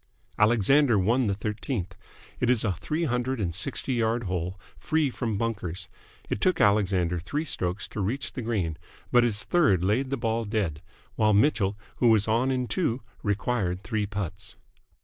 Alexander won the thirteenth. It is a three hundred and sixty yard hole, free from bunkers. It took Alexander three strokes to reach the green, but his third laid the ball dead; while Mitchell, who was on in two, required three putts.